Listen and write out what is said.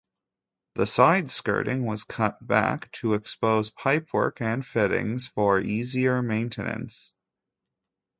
The side skirting was cut back to expose pipework and fittings for easier maintenance.